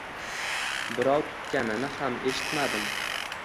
birov tutganini ham eshitmadim…